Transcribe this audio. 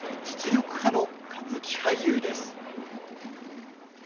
実力派の歌舞伎俳優です。